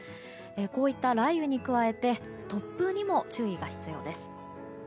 こういった雷雨に加えて突風にも注意が必要です。